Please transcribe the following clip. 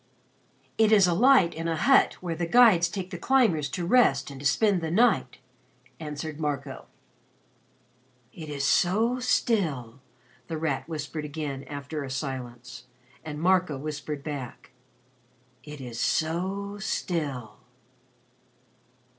"It is a light in a hut where the guides take the climbers to rest and to spend the night," answered Marco. "It is so still," The Rat whispered again after a silence, and Marco whispered back: "It is so still."